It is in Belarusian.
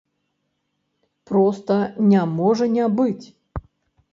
Проста не можа не быць!